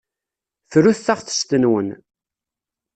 Frut taɣtest-nwen.